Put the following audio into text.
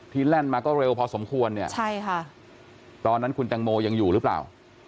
แล่นมาก็เร็วพอสมควรเนี่ยใช่ค่ะตอนนั้นคุณแตงโมยังอยู่หรือเปล่า